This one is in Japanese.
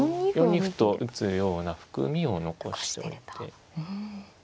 ４二歩と打つような含みを残しておいて。